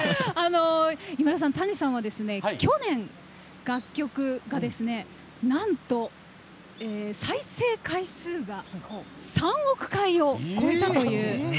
Ｔａｎｉさんは去年、楽曲がなんと、再生回数が３億回を超えたという。